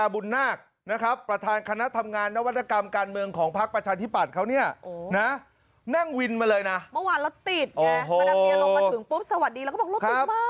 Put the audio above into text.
เมื่อวานเราติดไงมานามเดียลงมาถึงปุ๊บสวัสดีแล้วก็บอกเราติดมาก